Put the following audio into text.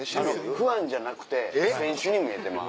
ファンじゃなく選手に見えてまう。